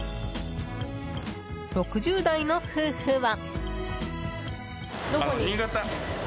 ６０代の夫婦は。